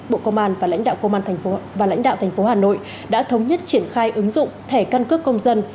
bộ công an và lãnh đạo thành phố hà nội đã thống nhất triển khai ứng dụng thẻ căn cước công dân